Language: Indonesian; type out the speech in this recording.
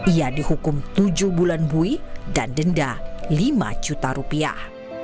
ia dihukum tujuh bulan bui dan denda lima juta rupiah